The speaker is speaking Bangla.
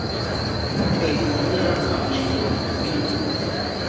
এই মহিলার নাম ছিল মিনতি।